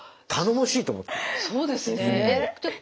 そうですね。